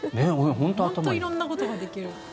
本当に色んなことができる。